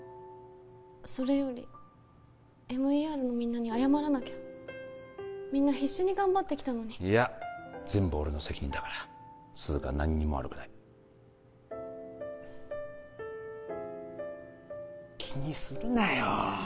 それよりＭＥＲのみんなに謝らなきゃみんな必死に頑張ってきたのにいや全部俺の責任だから涼香は何も悪くない気にするなよ